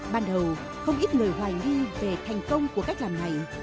ban đầu không ít người hoài nghi về thành công của cách làm này